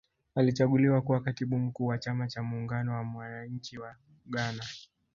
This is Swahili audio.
Alichaguliwa kuwa katibu mkuu wa chama cha muungano wa wananchi wa Ghana